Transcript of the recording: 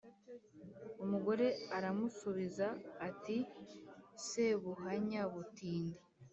umugore aramusubiza ati: "sebuhanya butindi